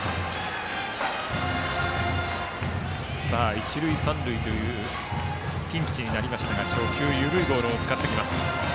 一塁三塁というピンチになりましたが初球緩いボールを使ってきます。